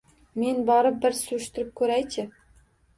Men borib bir surishtirib ko‘ray-chi